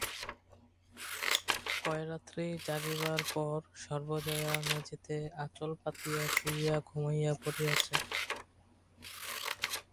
কয়রাত্রি জাগিবার পর সর্বজয়া মেজেতে আঁচল পাতিয়া শুইয়া ঘুমাইয়া পড়িয়াছে।